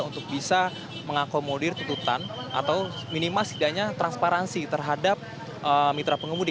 untuk bisa mengakomodir tutupan atau minima sekiannya transparansi terhadap mitra pengemudi